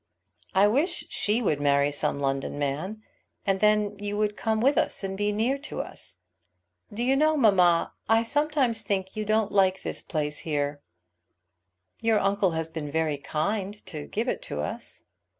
"I wish she would marry some London man, and then you would come with us, and be near to us. Do you know, mamma, I sometimes think you don't like this place here." "Your uncle has been very kind to give it to us."